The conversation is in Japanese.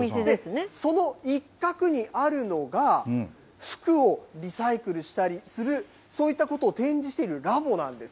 その一角にあるのが、服をリサイクルしたりするそういったことを展示しているラボなんです。